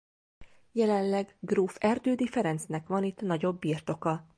Jelenleg gróf Erdődy Ferencznek van itt nagyobb birtoka.